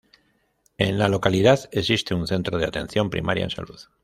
En la localidad existe un centro de atención primaria en salud.